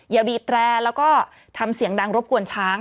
อย่าบีบแตรแล้วก็ทำเสียงดังรบกวนช้าง